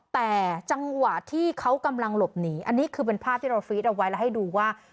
แต่จังหวะที่เขากำลังหลบหนีอันนี้คือเป็นภาพที่เราฟีดเอาไว้แล้วให้ดูว่า